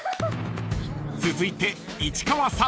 ［続いて市川さん］